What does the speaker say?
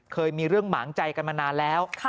เคยมีเรื่องหมางใจกันมานานแล้ว